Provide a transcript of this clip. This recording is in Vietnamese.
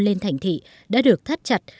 lên thành thị đã được thắt chặt